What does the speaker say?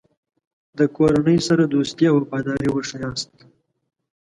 د کورنۍ سره دوستي او وفاداري وښیاست.